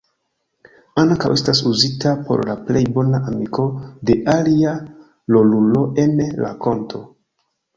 Ankaŭ estas uzita por la plej bona amiko de alia rolulo en rakonto.